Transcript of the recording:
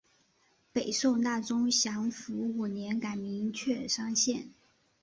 北宋大中祥符五年改名确山县。